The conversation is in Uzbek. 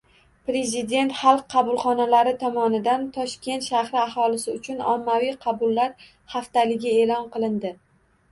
Prezident Xalq qabulxonalari tomonidan Toshkent shahri aholisi uchun ommaviy qabullar haftaligi e’lon qilindi